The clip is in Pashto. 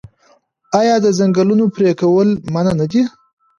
آیا د ځنګلونو پرې کول منع نه دي؟